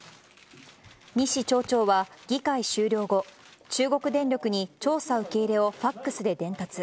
西町長は、議会終了後、中国電力に調査受け入れをファックスで伝達。